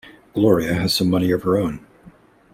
Gloria has some money of her own.